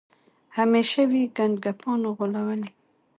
همېشه وي ګنډکپانو غولولی